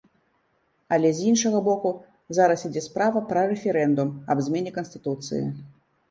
Але з іншага боку, зараз ідзе справа пра рэферэндум аб змене канстытуцыі.